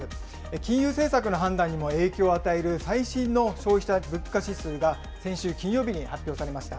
金融政策の判断にも影響を与える最新の消費者物価指数が先週金曜日に発表されました。